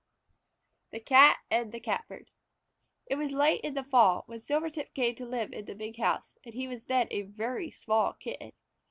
THE CAT AND THE CATBIRD It was late in the fall when Silvertip came to live in the big house, and he was then a very small kitten.